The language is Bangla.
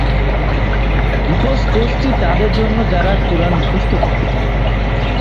হিফজ কোর্সটি তাদের জন্য যারা কুরআন মুখস্থ করতে চায়।